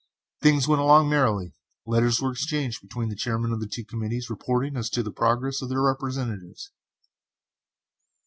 Things went along merrily, letters were exchanged between the chairman of the two committees reporting as to the progress of their representatives.